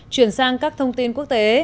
chuyển sang các thông tin quốc tế